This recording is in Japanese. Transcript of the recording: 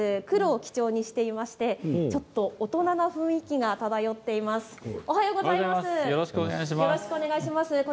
黒を基調にしていて、ちょっと大人な雰囲気が漂っています。